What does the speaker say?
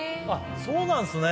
そうなんですね